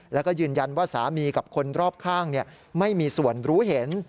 แล้วก็ยืนยันว่าสามีกับคนรอบข้างไม่มีส่วนรู้เห็น